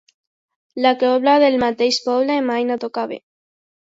La cobla del mateix poble mai no toca bé.